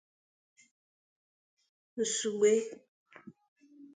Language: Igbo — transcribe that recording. Nsugbe